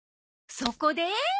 そこで。